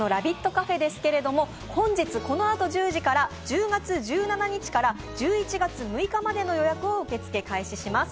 カフェですが本日、このあと１０時から、１０月１７日から１１月６日までの予約を受け付けます。